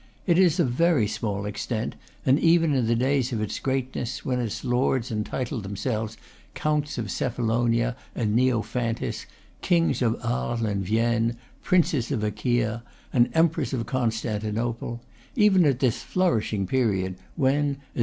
It is of very small extent, and even in the days of its greatness, when its lords entitled themselves counts of Cephalonia and Neophantis, kings of Arles and Vienne, princes of Achaia, and emperors of Constan tinople, even at this flourishing period, when, as M.